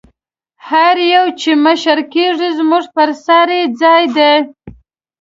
هر یو چې مشر کېږي زموږ پر سر یې ځای دی.